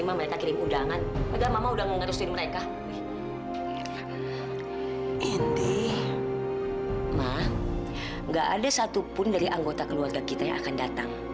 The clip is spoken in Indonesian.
mati nggak ada satupun dari anggota keluarga kita yang akan datang